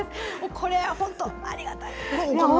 これは本当ありがたいですよ。